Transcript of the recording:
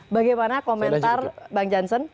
bagaimana komentar bang jansen